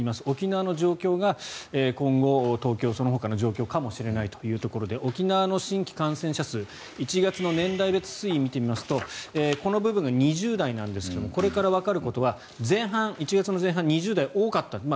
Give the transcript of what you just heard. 沖縄の状況が今後、東京そのほかの状況かもしれないというところで沖縄の新規感染者数１月の年代別推移を見てみますとこの部分が２０代なんですがこれからわかることは１月の前半、２０代多かった。